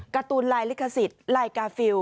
การ์ตูนลายลิขสิทธิ์ลายกาฟิล